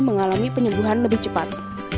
mengalami penyembuhan lebih cepat